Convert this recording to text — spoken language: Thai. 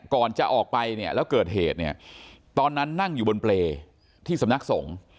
ก่อนจะออกไปเนี่ยแล้วเกิดเหตุเนี่ยตอนนั้นนั่งอยู่บนเปรย์ที่สำนักสงฆ์